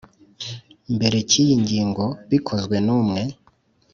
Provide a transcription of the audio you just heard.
Mbere cy iyi ngingo bikozwe n umwe